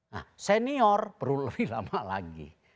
nah senior perlu lebih lama lagi